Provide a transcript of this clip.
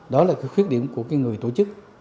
đó là cái khuyết điểm của người tổ chức